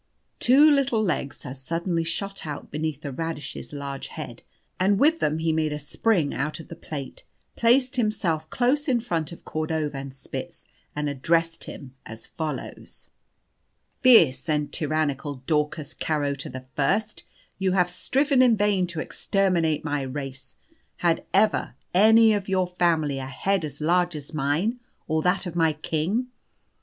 Two little legs had suddenly shot out beneath the radish's large head, and with them he made a spring out of the plate, placed himself close in front of Cordovanspitz, and addressed him as follows "Fierce and tyrannical Daucus Carota the First, you have striven in vain to exterminate my race. Had ever any of your family a head as large as mine, or that of my king?